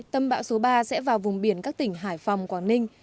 tâm bão số ba sẽ vào vùng biển các tỉnh hải phòng quảng ninh